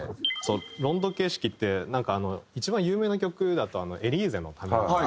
ロンド形式ってなんかあの一番有名な曲だと『エリーゼのために』。